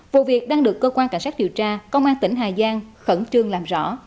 vụ việc đang được cơ quan cảnh sát điều tra công an tỉnh hà giang khẩn trương làm rõ